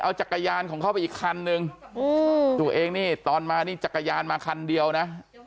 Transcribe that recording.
เอาจักรยานของเขาไปอีกคันนึงตัวเองนี่ตอนมานี่จักรยานมาคันเดียวนะ